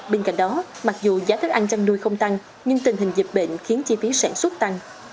bên cạnh đó mặc dù giá thức ăn chăn nuôi không tăng nhưng tình hình dịch bệnh khiến chi phí sản xuất tăng